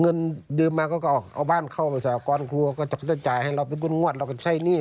เงินยืมมาก็เอาเอาบ้านเข้ามาสากรครูก็จะจ่ายให้เราเป็นคุณงวดเราเงินไก่ให้เงี้ย